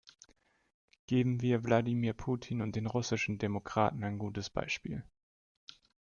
Geben wir Wladimir Putin und den russischen Demokraten ein gutes Beispiel!